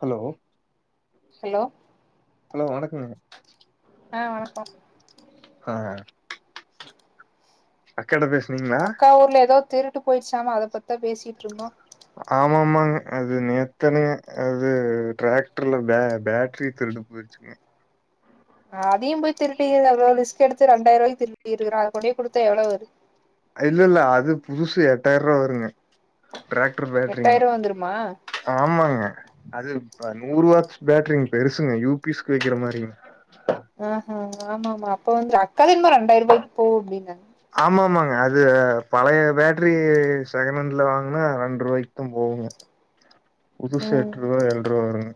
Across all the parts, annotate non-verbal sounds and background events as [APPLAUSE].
Hello hello hello வணக்கங்க ஆஹ் வணக்கம் ஆஹ் அக்கா ஊர்ல ஏதோ திருட்டு போயிச்சாம அத பத்தா பேசிட்டு இருந்தோ ஆமாமாங்க அது நேத்தனைய அது டிராக்டர்ல பே பேட்டரி திருடு போய்ருச்சுங்க அதையும் போய் திருட்டு [UNINTELLIGIBLE] எவ்ளோ ரிஸ்க் எடுத்து ரண்டாயிர ரூவாக்கு திருடிருக்கிறான் அது கொண்டி போய் குடுத்த எவ்ளவு இல்ல இல்ல அது புதுசு எட்டாயிரம் ரூவா வருங்க டிராக்டர் பேட்டரிங்க எட்டாயிர ரூவா வந்துருமா ஆமாங்க அது ப்ப நூறு வாட்ஸ் பேட்ரிங்க பெருசுங்க யூ பி எஸ் க்கு வைக்கிற மாரிங்க ஆஹ ஆமா ஆமா அப்ப வந்து அக் காவே என்மோ ரெண்டாய்ர ரூபாய்க்கு போவ் அப்டின்னாங்க ஆமா ஆமாங்க அது பழைய பேட்ரி செகணண்டுல வாங்குனா ரெண்ட்ருவாய்கு தா போவுங்க புதுசு ம் எட்ருவா ஏழுட்ருவா வருங்க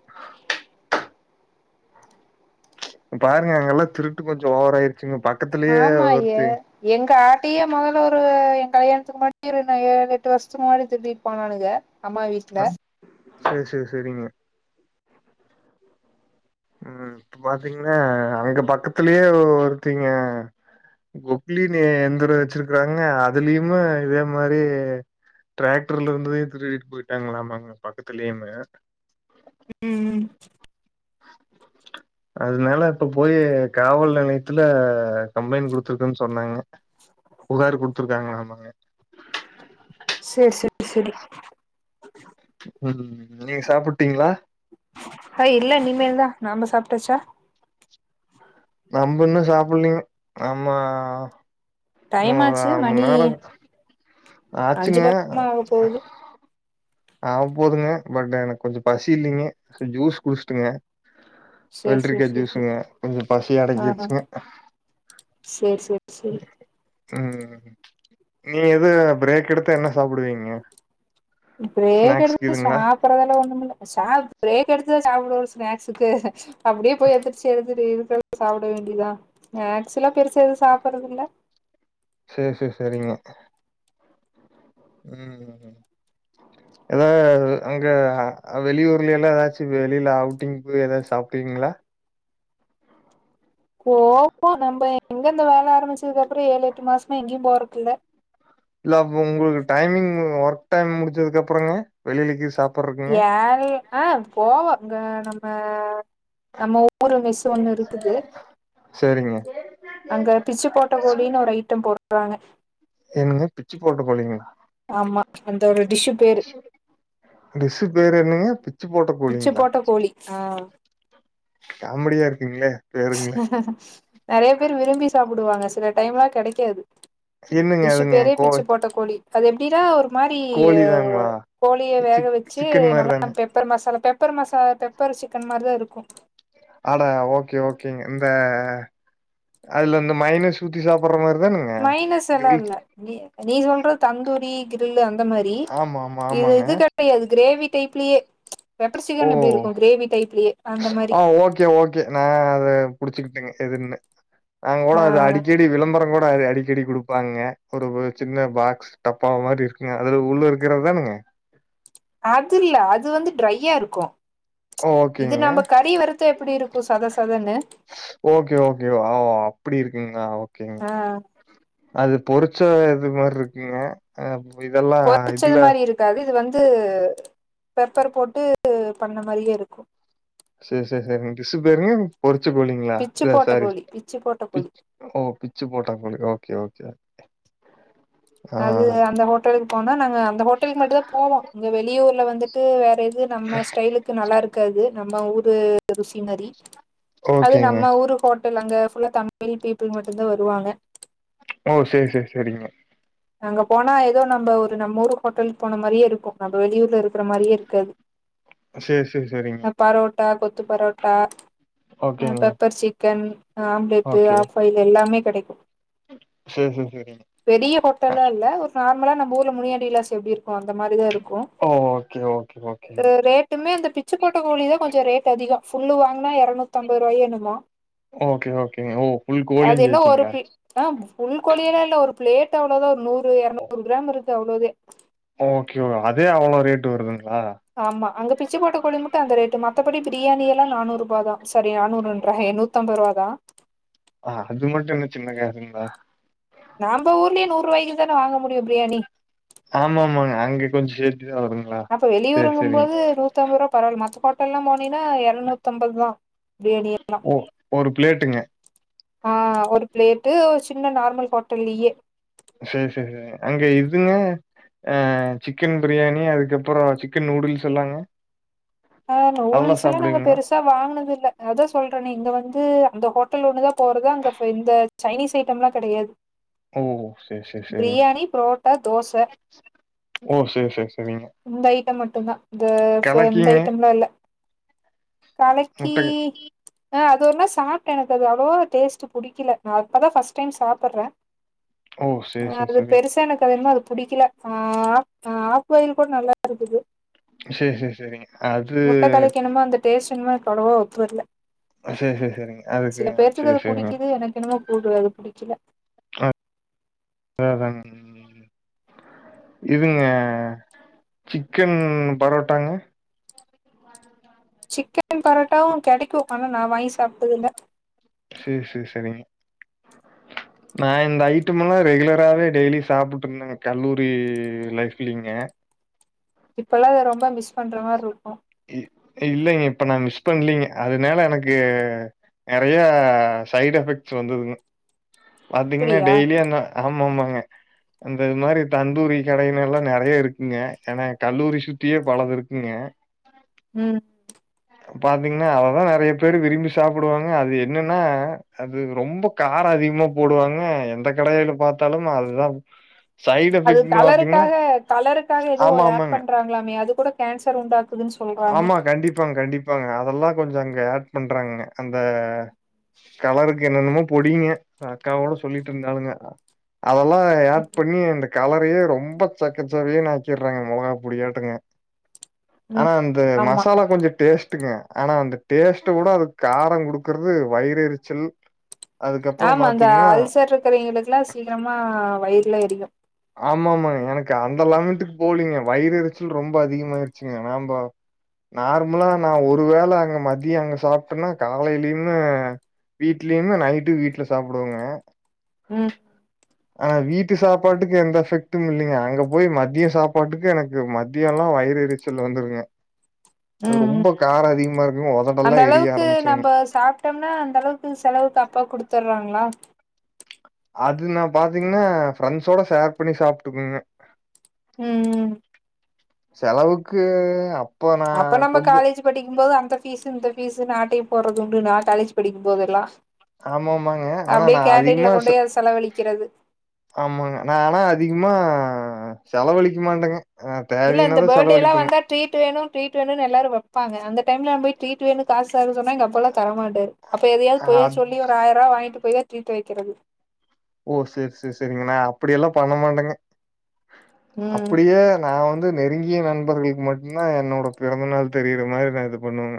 பாருங்க அங்கெல்லா திருட்டு கொஞ்சோ ஓவரா ஆயிருக் ஆமாய எங்க ஆட்டியே மொதல்ல ஒரு எ கல்யாணத்துக்கு முன்னாடி இரு நானுங்க எட்டு வருஷதுக்கு முன்னாடி திட்டிட்டு போனானுங்க அம்மா வீட்ல அ சேரி சேரி சேரிங்க ம் பாத்தீங்னா அங்க பக்கத்திலியே ஒருத்தீங்க பொக்லீன் எந்திரோ வச்சிருக்குறாங்க அதுலியுமே இதே மாரி டிராக்டர்ல இருந்ததையுமே திருடிட்டு போயிட்டு இருக்காங்களாமாங்க பக்கத்துலயுமெ உம் ம் அதுனால இப்ப போயி காவல் நிலையத்துல கம்ப்ளைண்ட் குடுத்துருக்கோனு சொன்னாங்க புகார் குடுத்துருக்காங்களா ஆமாங்க சேரி சேரி சரி உம் நீங்க சாப்புட்டீங்களா ஹாய் இல்ல இனிமேல் தா நாம சாப்ட்டாச்சா நம்ம இன்னு சாப்புலீங்க நம்மா டைம் ஆச்சு மணீ அஞ்சு ஆச்சுங்க பக்கமா வா போகுது ஆ போதுங்க பட் எனக்கு கொஞ்ஜோ பசி இல்லிங்க ஜூஸ் குடிச்சுட்டங்க சேரி சேரி வெல்ட்ரிக்கா சேரி ஜூசுங்க கொஞ்ஜோ பசி ஆஹா அடங்கிருச்சுங்க சேரி சேரி சேரி உம் நீ எது பிரேக் எடுத்தா என்ன சாப்டுவீங்க பிரேக் ஸ்நாக்ஸ்க்கு எடுத்துட்டு இதுங்களா ஷாப்ட்றதெல்லா ஒன்னுமில்ல ஷா பிரேக் எடுத்துதா ஷாப்பிடுவோ ஸ்நேக்ஸுக்கு அப்டியே போய் எந்திர்ச்சு எடுத்து சாப்ட வேண்டிதா மேஸ்ல பெருசா எதுவு சாப்டுறதுல சேரி சேரி சரிங்க உம் எதாவது அங்க வெளியூர்லிலா ஏதாச்சு வெளில அவுட்டிங் போய் எதாவது சாப்டீங்களா போப்போ நம்ம எங்க இந்த வேல ஆரம்பிச்சதுக்கு அப்றோ ஏழு எட்டு மாசமா எங்கியும் போறக்குல்ல இல்ல அப்ப உங்களுக்கு டைமிங் ஒர்க் டைம் முடிஞ்சதுக்கு அப்புறங்க வெளில கீது சாப் ஏருல் ங்க அ போவங்க அ நம்ம ஊ ஒரு வயசு ஒன்னு இருக்குது சேரிங்க அங்க பிச்சு போட்ட கோழினு ஒரு ஐட்டம் போ வாங்ங ஏனுங்க பிச்சு போட்ட கோழிங்களா ஆமா அந்த ஒரு டிஷ்ஷு பேரு டிஷ்ஷு பேரு என்னங்க பிச்சு போட்ட பிச்சு கோழிங்ளா போட்ட கோழி ஆ காமெடியா இருக்குங்ளே நெறைய பேர் விரும்பி சாப்பிடுவாங்க சில டைம் லா கெடைக்காது என்னெங்க டிஷ்ஷு அதுங்க பேரே கோ பிச்சு போட்ட கோழி அது எப்டி ஆ ஒரு மாரி கோழி தாங்களா கோலிய வேக சிக் வெச்சு சிக்கன் மாரி நல்லா தான பெப்பர் மஸாலாப் பெ பெப்பர் மசா பெப்பர் சிக்கன் மாரிதா இருக்கு ஆட ஓகே ஓகேங்க இந்த அதுலந்து மைனெஸ் ஊத்தி சாப் மைனஸ் எல்லா இல்ல நீ சொல்றத் தந்தூரி கிரில் அந் இந்த மாரி ஆமா ஆமா இது ஆமாங்க இது கெடையாது கிரேவி டைப்ளயே ஓ அந்த மாரி ஆ ஓகே ஓகே நா அது புடிச்சுக்கிட்டிங்க எதுன்னு நங் கூட ஆ அது அடிக்கடி விளம்பரொ கூட டா அடிக்கடி கொடுப்பாங்க ஒரு சின்ன பாக்ஸ் டப்பா மாரி இருக்குங்க அதுல உள்ள இருக்கற தானுங்க அது இல்ல அது வந்து ட்ரை டியாருக்கு ஓகேங்க‌ எப்டி இருக்கு சத சதன்னு ஓகே ஓகே ஓ அப்டி இருக்குங்ளா ஓகேங் ஆ அது பொறு ச்ச இது மாரிருக்குங்க பொறிச்சது மாரி இருக்காது இது வந் து பெப்பர் போட்டு பண்ண மாரியே இருக்கு செரி செரி செரிங் டிஷ் பேருங்க பொரு ச்ச கோலிங்களா பிச்சு ல போட்ட சாரி கோழி பிச்சு போட்ட பி கோழி ஓ பிச்சு போட்டா கோலி ஓகே ஓகே [INAUDIBLE] ஆ அதூ அந்த ஹோட்டல்க்கு போனா நாங்க அந்த ஹோட்டல்க் மட்டும் தான் போவோம் இங்க வெளியூர்ல வந்து ந்துட்டு வேறத் து நம்ம ஸ்டைலுக்கு நல்லாருக்காது. நம்ம ஊரு ருசிமாரி அது ஓகேங்க. நம்ம ஊரு ஹோட் ஹோட்டல் அங்க ஃபுல்லா தமில் பீப்பிள் மட்டுந்தா வருவாங்க ஓ சேரி சேரி சேரிங்க. அங்க போனா ஏதோ நம்ப ஒரு நம்ம ஊரு ஹோட்டல்க் போன மாரியேயிருக்கு நம்ப வெளியூர்ல இருக்கிற மாரியேயிருக்காது. சேர் சேர் சேரிங்க கொத்து பரோட்டா ஆஹ pepper chicken omelette half boil எல்லாமே கிடைக்கு சேர் சேர் சேரிங் ப்ல்லால்ல ஒரு நார்மலா நம்ம ஊர்ல முனியாண்டி விலாஸ் எப்படி இருக்கு ஓ அந்த மாதிரிதா இருக்கு ஓ! ஓகே, ஓகே, ஓகேங்க. ரேட்டுமே அந்த பிச்சு போட்ட கோலிதா கொஞ்சோ ரேட் அதிகொ ஃபுல்லு வாங்னா இரநூத்திஐம்பது ரூபாயோ என்னமோ ஓகே, ஓகேங்க. ஓ! ஃபுல் அது கோழியும் என்ன ஒரு சேர்த்தீங்களா? ஃபுல் ஆஹ் ஃபுல் கொழியெல்லா இல்ல ஒரு பிளேட் அவ்ளோதா நூறு ஓ! இருநூறு கிராம் இருக்கு அவ்ளோதே ஓகே ஓ அதே அவ்ளோ ரேட்டு வருதுங் ஆமா அங்க பிச்சு போட்ட கோழி மட்டூ அந்த ரேட்டு மத்தபடி பிரியாணி எல்லா நானூறு ரூபாதா சாரி நானூறு ரூபான்ற நூற்றம்பது ரூபாதா ஆஹ் அது மட்டு என்ன சின்ன காசுங்ளா நாம ஊர்லயே நூறு ரூபாய்க்கு தானே வாங்க முடியு பிரியாணி ஆமாமாங்க அங்க கொஞ்சோ அப்ப வெளியூருங்கும்போது நூத்திஐம்பது ரூபா பரவால்ல மத்த பக்கோ ல்லா மெயினா இரநூத்தி ஐம்பதுதா பிரியாணி எல்லா ஓ! ஒரு பிளேட்டுங்க ஆஹ் ஒரு பிளேட்டு ஒரு சின்ன நார்மல் ஹோட்டல்லயே சேரி சேரி சேரி அங்க இதுங்க அஹ் சிக்கன் பிரியாணி அதுக்கப்புறோ சிக்கன் நூடுல்ஸ் எல்லாங்க ஆஹ் நூடுல்ஸ் அதெல்லாம் எல்லா நாங்க சாப்பிடுவீங்களா? பெருசா வாங்கினது இல்ல அதா சொல்றனே இங்க வந்து அந்த ஹோட்டல் ஒன்னுதா போறது அங்க இந்த சைனீஸ் ஐட்டம் எல்லாம் கிடையாது ஓ செரி செரி செரிங்க புரோட்டா தோச ஓ செரி செரி செரிங்க இந்த ஐட்டம் மட்டும் தான் இது இந்த ஐட்டம்லாம் இல்ல கலக்கி முட்டை ஆ அது ஒருநாள் சாப்டேன் எனக்கு அது அவ்ளோவா டேஸ்ட் புடிக்கல நான் இப்ப தான் ஃபர்ஸ்ட டைம் சாப்புட்றேன் ஓ! சரி, சரி, அது சரி. பெருசா எனக்கு அது பிடிக்கல ஆ ஆக் ஆக்வாயில் கூட நல்லா இருக்குது செரி செரி செரிங்க முட்டை களைக்கணுமா அந்த டெஸ்ட் சின்ன கதவே ஒத்து வரல செரி செரி செரிங்க அதுக்கு சில பேர்த்துக்கு செரி அது செரிங்க புடிக்குது எனக்கு என்னமோ புடு அது புடிக்கல ஆ ஆ அதுதான் இவங்க சிக்கன் பரோட்டாங்க சிக்கன் பரோட்டாவும் கிடைக்கும் ஆனா நான் வாங்கி சாப்ட்டது இல்ல செரி செரி செரிங்க நான் இந்த ஐட்டம் எல்லா ரெகுல ராவே டெய்லி சாப்பிட்டு இருந்தேங்க கல்லூரி லைஃப்லீங்க இப்ப எல்லாம் [UNINTELLIGIBLE] ட்ட மிஸ் பண்ற மாரி இருக்கும் இ இல்லைங்க இப்ப நான் மிஸ் பண்லீங்க அதனால எனக்கு நிறைய சைடு் எஃபெக்ட்ஸ் வந்ததுங்க பாத்தீங்கன்னா அப்டியா டெய்லி அந்த ஆமா ஆமா க அந்த மாரி தந்தூரி கடைங்க எல்லா நிறைய இருக்குங்க ஏன்னா கல்லூரி சுத்தியோ பலது இருக்குங்க ம் பாத்தீங்கன்னா அதான் நிறைய பேர் விரும்பி சாப்பிடுவாங்க அது என்னென்ன அது ரொம்ப காரம் அதிகமா போடுவாங்க எந்த கடையில பார்த்தாலும் அதுதான் அது கலருக்காக கலருக்காக ஏதோ ஆமா ஆட் ஆமாங்க பண்றாங்களாமே அது கூட கேன்சர் உண்டாக் ஆமா கண்டிப்பாங்க கண்டிப் ப்பாங்க அதெல்லாம் கொஞ்சம் அங்க ஆட் பண்றாங்க அந்த கலருக்கு என்னென்னமோ பொடிங்க அக்காவோட சொல்லிட்டு இருந்தாலுங்க அதெல்லா ஆட் பண்ணி அந்த கலரையே ரொம்ப செக்கச் செவேனு ஆக்கிராங்க மொளகா பொடி ஆட்டங்க ஆனா ம் அந்த ஆமா மசாலா கொஞ்ச டேஸ்ட் ட்டுங்க ஆனா அந்த டேஸ்டை விட அது காரம் குடுக்குறது வயிறு எரிச்சல் அதுக்கப்புறோ ஆமா அந்த பாத்தீங்கன்னா அல்சர் இருக்கிறவங்களுக்கு எல்லாம் சீக்கிரமா வயிறுல எரியும் ஆமா ஆமா எனக்கு அந்த லெவல்த்துக்கு போலீங்க வயிறு எரிச்சல் ரொம்ப அதிகமா ஆயிருச்சிங்க நம்ப நார்மலா நான் ஒருவேளை அங்க மதியம் அங்க சாப்ட்டேனா காலையிலயுமே வீட்லையுமே நைட்டு வீட்ல சாப்டுவங்க ம் ஆனா வீட்டு சாப்பாட்டுக்கு எந்த எஃபெக்ட்டும் இல்லைங்க அங்க போய் மதிய சாப்பாட்டுக்கு எனக்கு மத்திய எல்லாம் வயிறு எரிச்சல் வந்துருங்க அது ம் ரொம்ப காரம் அதிகமா இருக்குங்க. அந்த உதடெல்லாம் எரிய அளவுக்கு ஆரம்பிச்சுருங்க. நம்ப சாப்புட்டோம்னா அந்த அளவுக்கு செலவுக்கு அப்பா கொடுத் தர்ராங்ளா அது நான் பாத்தீங்கன்னா ஃபிரண்ட்ஸோட ஷேர் பண்ணி சாப்பிட்டுக்கவங்க உம் உம் செலவுக்கு அப் அப்ப நம்ம காலேஜ் படிக்கும் போது அந்த ஃபீஸ் இந்த ஃபீஸ்ன்னு ஆட்டய போட்றது உண்டு நான் காலேஜ் படிக்கும் போதெல்லா ஆமாமாங்க. ஆனா அப்டியே நான் கேண்டின்ல அதிகமா கொண்டு செ போய் அத செலவழிக்கிறது ஆமாங்க நா ஆனா அதிகமா செலவழிக்க மாட்டேங்க அ இல்ல தேவையினா இந்த தான் பெர்டேல செலவழிப்பேங்க. வந்தா ட்ரீட் வேணு ட்ரீட் வேணும்னு எல்லாரு வெப்பாங்க அந்த டைம்ல போய் ட்ரீட் வேணு காசு தர சொன்னா எங்க அப்பாலா தரமாட்டாரு அப்போ எதயாவது அ பொய்ய சொல்லி ஒரு ஆயிர ரூப வாங்கிட் போய் ட்ரீட் வை க்கிறது ஓ செரி செரி செரிங்க அப்டி எல்லா பண்ணமாட்டேங்க ம் அப்டியே நா வந் வந்து நெருங்கிய நண்பர்களுக்கு மட்டுதா என்னோட பிறந்தநாள் தெரிற மாரி நா இது பண்ணுவேங்க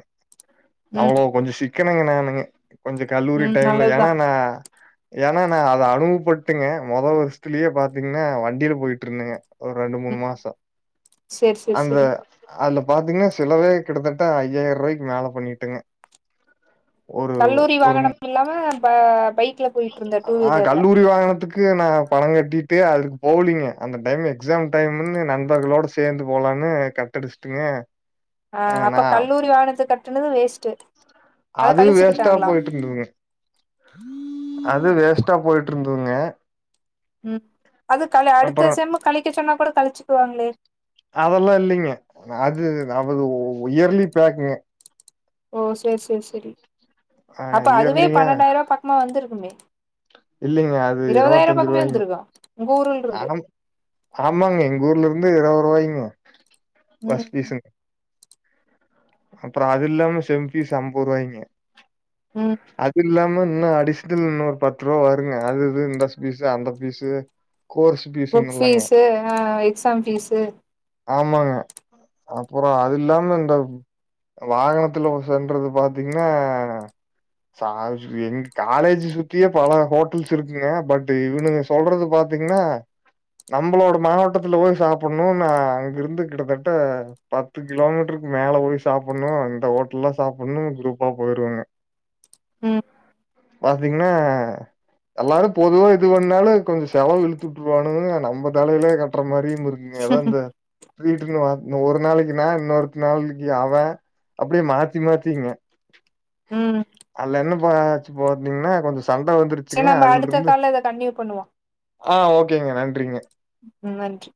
ம் அவ்ளோ கொஞ்ச ஷி க்கனங்க நானுங்க கொஞ்ச கல்லூரி ம் டைம்ல நல்லதுதா ஏன்னா நா ஏன்னா நா அத அனுபவபட்டேங்க மொத வருஷத்துலயே பாத்தீங்கன்னா வண்டில போயிட்டு இருந்தேங்க ஒரு ரெண்டு மூணு ம் மாசோ சேரி சேரி அங்க சேரி அதுல பாத்தீங்கன்னா செலவே கிட்டதட்ட ஐயாயிர ரூபாய்க் மேல பண்ணிட் டேங்க கல்லூரி வாகனம் இல்லாம ப பைக்ல போய்ட்டு இருந்த டூ வீலர்ல க்கு நா பணம் கட்டிட்டு அதுக் போலீங்க அந்த டைம் எக்ஸாம் டைம்மின்னு நண்பர்களோட சேந்து போலானு கட்டடிச்சுட்டுங்க ஆ நா அப்ப கல்லூரி வாகனதுக்கு கட்டுனது வேஸ்டு அது வேஸ்ட்டா போய்ட்டு இருந்ததுங்க அது வேஸ்டா போய்ட்டு இருந்ததுங்க ம் அது கல அப்புற அடுத்த செம் கழிக்க சொன்னா கூட கழிச்சு குவாங்களே அதெல்லா இல்லிங்க அது நமது உயர்லி பேக்குங்க ஓ சேர் சேர் செரி ஆ அப்ப அதுவே பன்னெண்டாயிரோ பக்கமா வந்திருக்குமே இல்லிங்க அது இருவதாயிரம் இருவத்தஞ்சு பக்கமே ரூவாய்ங்க வந்துருக்கு உங்க ஊர்ல இருந்து ஹம் ஆமாங்க எங்க ஊர்ல இருந்து இருவ போய்ங்க பஸ் ம் ஃபீஸ்ங் அப்றோ அதுல்லாம செம் ஃபீஸ் அம்பது ரூபாய்ங்க ம் அது இல்லாம இன்னு அடிசனல் இன்னொரு பத்து ரூவா வருங்க அது இது இந்த ஃபீஸு அந்த ஃபீஸு கோர்ஸ் புக் ஃபீஸுன்னு இல்லங்க ஃபீஸு ஹ எக்ஸாம் ஃபீஸு ஆமாங்க அப்றோ அது இல்லாம இந்த வாகனத்துல வ சென்றது பாத்தீங்ன்னா சா சி எங் காலேஜ் சுத்தியே பல ஹோட்டல்ஸ் இருக்குங்க பட் இவனுங்க சொல்றது பாத்தீங்கன்னா நம்ளோட மாவட்டத்துல போய் சாப்புடணுனு அ அங்க இருந்து கிட்டத்தட்ட பத்து கிலோமீட்ருக்கு மேல போய் சாப்புனு இந்த ஹோட்டல்லா சாப்புணு குரூப்பா போயிருவாங்க ம் பாத்தீங்கன்னா எல்லாரும் பொதுவா இது பண்ணாலு கொஞ்ச செலவு இழுத்து விட்டுருவானுக நம்ம தலையில கட்டுற மாதிரியு இருக்கு ஏதான் ந்த வீட்டுகுலா வர்ணு ஒரு நாளைக்குன்னா இன்னொரு நாளைக்கு அவன் அப்படியே மாத்தி மாத்திங்க ம் அல்ல என்னு பேச்சு போட்டீங்னா கொஞ்சோ செர் வந்துருச்சுங்க நம்ம அதுல அடுத்த இருந்து கால இத கண்டினியு பண்ணுவோ ஆ ஓகேங்க நன்றிங்க ம் நன்றி